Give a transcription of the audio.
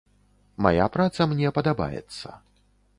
Мая праца мне падабаецца.